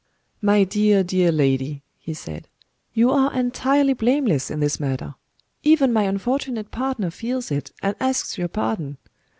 "My dear, dear lady," he said, "you are entirely blameless in this matter. Even my unfortunate partner feels it, and asks your pardon.